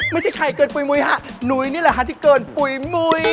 ไม่ใช่ไข่เกินปุ๋ยมุ้ยฮะหนุ้ยนี่แหละฮะที่เกินปุ๋ยมุ้ย